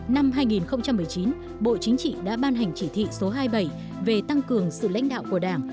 năm hai nghìn một mươi chín bộ chính trị đã ban hành chỉ thị số hai mươi bảy về tăng cường sự lãnh đạo của đảng